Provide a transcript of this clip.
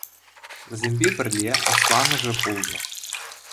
Вӗсемпе пӗрле асламӑшӗ пулнӑ.